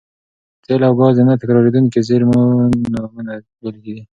تېل او ګاز د نه تکرارېدونکو زېرمونو بېلګې دي.